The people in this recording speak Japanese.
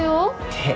えっ？